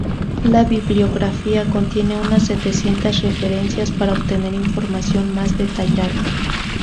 La bibliografía contiene unas setecientas referencias para obtener información más detallada.